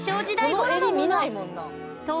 このえり見ないもんな。